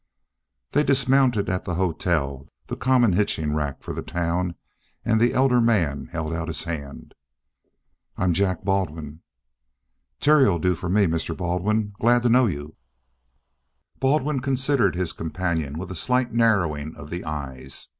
They dismounted at the hotel, the common hitching rack for the town, and the elder man held out his hand. "I'm Jack Baldwin." "Terry'll do for me, Mr. Baldwin. Glad to know you." Baldwin considered his companion with a slight narrowing of the eyes.